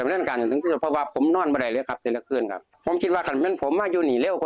ลองรองฟังเขาเล่าหน่อยครับ